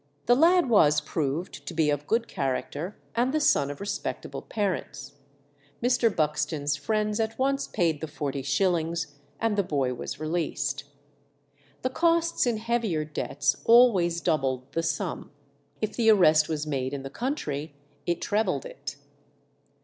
The lad was proved to be of good character and the son of respectable parents. Mr. Buxton's friends at once paid the forty shillings, and the boy was released. The costs in heavier debts always doubled the sum; if the arrest was made in the country it trebled it.